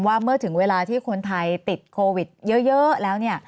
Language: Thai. ว่าเมื่อถึงเวลาที่คนไทยติดโควิดเยอะแล้วเนี่ย